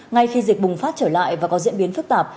ngay khi dịch bùng phát trở lại và có diễn biến phức tạp